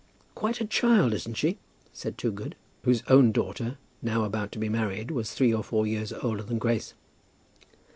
"Quite a child, isn't she?" said Toogood, whose own daughter, now about to be married, was three or four years older than Grace.